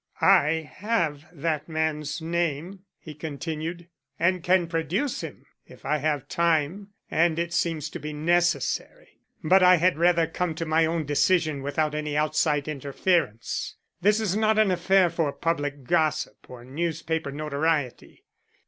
"I have that man's name," he continued, "and can produce him if I have time and it seems to be necessary. But I had rather come to my own decision without any outside interference. This is not an affair for public gossip or newspaper notoriety.